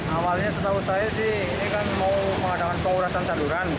awalnya setahu saya